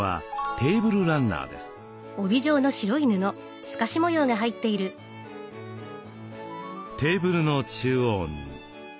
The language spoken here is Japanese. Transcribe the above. テーブルの中央に。